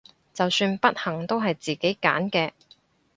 就算不幸都係自己揀嘅！